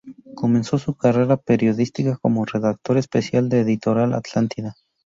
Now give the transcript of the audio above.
Comenzó su carrera periodística como redactor especial de Editorial Atlántida.